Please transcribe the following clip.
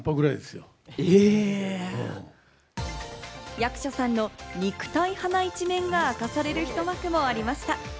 役所さんの肉体派な一面が明かされる一幕もありました。